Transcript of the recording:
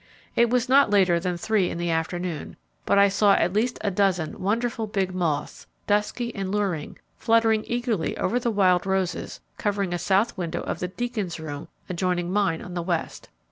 It was not later than three in the afternoon but I saw at least a dozen wonderful big moths, dusky and luring, fluttering eagerly over the wild roses covering a south window of the Deacon's room adjoining mine on the west.